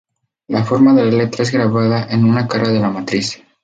La forma de la letra es grabada en una cara de la matriz.